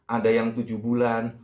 ada yang tujuh bulan